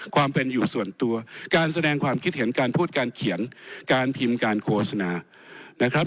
ความเป็นอยู่ส่วนตัวการแสดงความคิดเห็นการพูดการเขียนการพิมพ์การโฆษณานะครับ